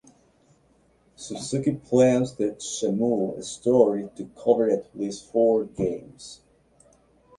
Suzuki plans the "Shenmue" story to cover at least four games.